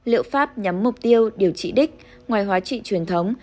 liệu pháp nhắm mục tiêu điều trị đích ngoài hóa trị truyền thống